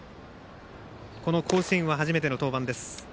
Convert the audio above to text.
この甲子園は初めての登板です。